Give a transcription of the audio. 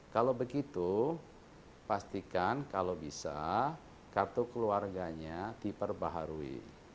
kalau begitu pastikan kalau bisa kartu keluarganya diperbaharui